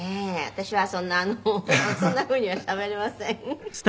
「私はそんなそんなふうにはしゃべれません」